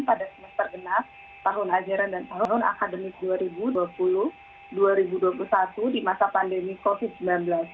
pada semester genas tahun ajaran dan tahun akademik dua ribu dua puluh dua ribu dua puluh satu di masa pandemi covid sembilan belas